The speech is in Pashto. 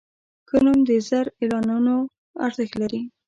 ښه نوم د زر اعلانونو ارزښت لري.